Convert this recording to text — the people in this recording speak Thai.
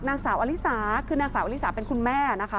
นางสาวอลิสาคือนางสาวอลิสาเป็นคุณแม่นะคะ